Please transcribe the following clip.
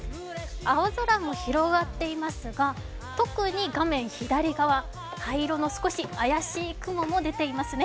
青空も広がっていますが、特に画面左側灰色の少し怪しい雲も出ていますね。